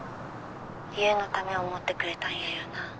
☎優のためを思ってくれたんやよな？